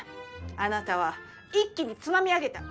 あなたは一気につまみ上げた！